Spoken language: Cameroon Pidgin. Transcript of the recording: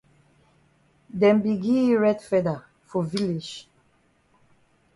Dem be gi yi red feather for village.